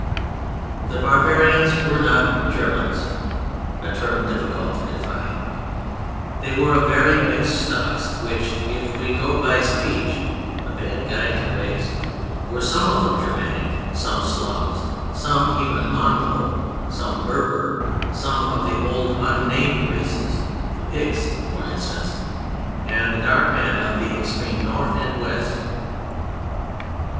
The barbarians were not "Germans" (a term difficult to define), they were of very mixed stocks which, if we go by speech (a bad guide to race) were some of them Germanic, some Slav, some even Mongol, some Berber, some of the old unnamed races: the Picts, for instance, and the dark men of the extreme North and West.